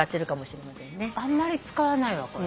あんまり使わないわこれ。